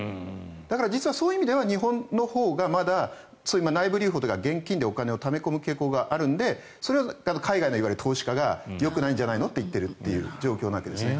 だから、実はそういう意味では日本のほうがまだ内部留保というか現金でお金をため込む傾向があるのでそれは海外の投資家がよくないんじゃないの？と言っている状況なわけですね。